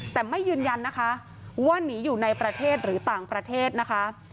แต่ไม่ยืนยันนะคะว่าหนีอยู่ในประเทศหรือต่างประเทศนะคะ